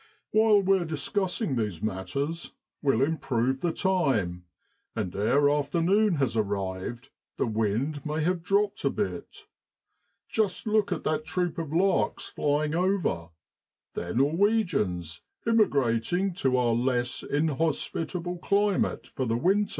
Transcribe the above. ' While we're discussing these matters, we'll improve the time, and ere after noon has arrived the wind may have dropped a bit. Just look at that troop of larks flying over! They're Norwegians immigrating to our less inhospitable climate for the winter.